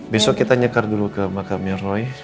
besok kita nyekar dulu ke makamnya roy